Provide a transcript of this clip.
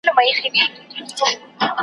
چي واعظ خانه خراب وي را نصیب مي هغه ښار کې .